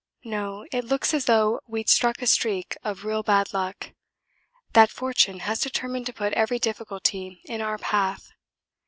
No, it looks as though we'd struck a streak of real bad luck; that fortune has determined to put every difficulty in our path.